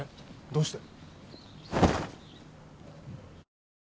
どうして？